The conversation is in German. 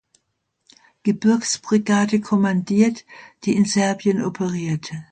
Gebirgsbrigade kommandiert, die in Serbien operierte.